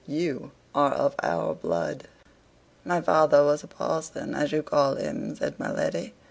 "You are of our blood." "My father was a parson, as you call him," said my lady.